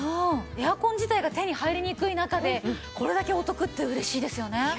エアコン自体が手に入りにくい中でこれだけお得って嬉しいですよね。